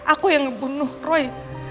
aku yang ngebunuh roy